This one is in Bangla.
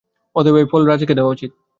অতএব এই ফল রাজাকে দেওয়া উচিত।